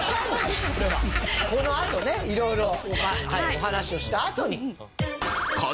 このあとね色々お話しをしたあとに。